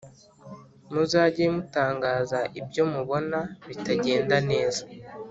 Muzage mutangaza ibyo mubona bitagenda neza